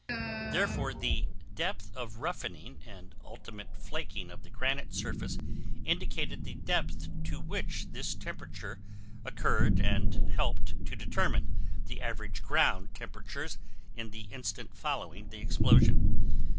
Therefore the depth of roughening and ultimate flaking of the granite surface indicated the depth to which this temperature occurred and helped to determine the average ground temperatures in the instant following the explosion.